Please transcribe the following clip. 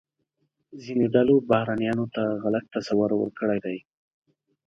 ځینو ډلو بهرنیانو ته غلط تصور ورکړی دی.